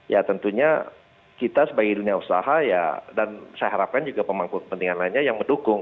ya tentunya kita sebagai dunia usaha ya dan saya harapkan juga pemangku kepentingan lainnya yang mendukung